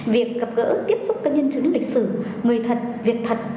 việc gặp gỡ tiếp xúc các nhân chứng lịch sử người thật việc thật